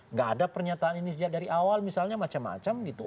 nggak ada pernyataan ini sejak dari awal misalnya macam macam gitu